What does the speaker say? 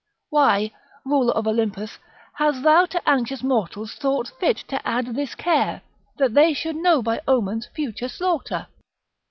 ["Why, ruler of Olympus, hast thou to anxious mortals thought fit to add this care, that they should know by, omens future slaughter?...